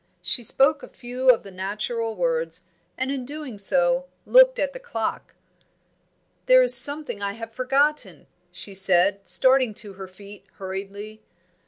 She spoke a few of the natural words, and in doing so looked at the clock. "There is something I have forgotten," she said, starting to her feet hurriedly.